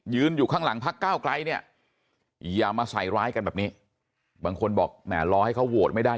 อยู่ข้างหลังพักก้าวไกลเนี่ยอย่ามาใส่ร้ายกันแบบนี้บางคนบอกแหมรอให้เขาโหวตไม่ได้